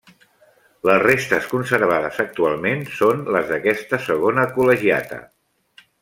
Les restes conservades actualment són les d'aquesta segona col·legiata.